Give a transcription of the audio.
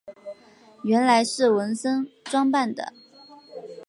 原来是文森装扮的。